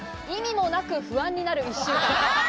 意味もなく不安になる１週間。